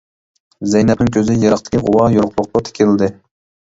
زەينەپنىڭ كۆزى يىراقتىكى غۇۋا يورۇقلۇققا تىكىلدى.